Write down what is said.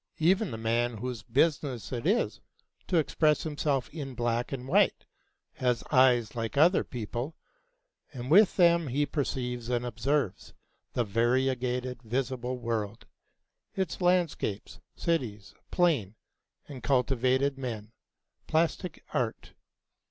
Even the man whose business it is to express himself in black and white has eyes like other people, and with them he perceives and observes the variegated visible world: its landscapes, cities, plain and cultivated men, plastic art.